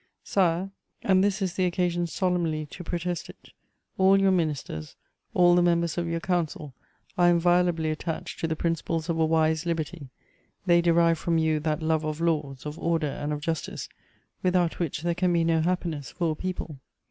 "Sire, and this is the occasion solemnly to protest it: all your ministers, all the members of your Council, are inviolably attached to the principles of a wise liberty; they derive from you that love of laws, of order and of justice without which there can be no happiness for a people.